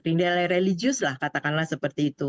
tidak religius lah katakanlah seperti itu